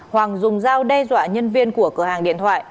hoàng dùng dao đe dọa nhân viên của cửa hàng điện thoại